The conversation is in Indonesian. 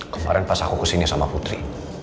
kemarin pas aku kesini sama putri